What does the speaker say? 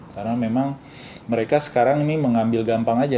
karena memang mereka sekarang ini mengambil gampang aja